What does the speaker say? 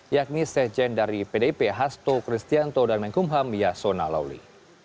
yakni sekjen dari pdip hasto kristianto dan menkumham yasona lawli